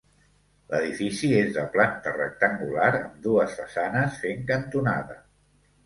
L'edifici és de planta rectangular, amb dues façanes fent cantonada.